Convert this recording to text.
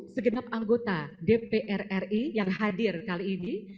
segenap anggota dpr ri yang hadir kali ini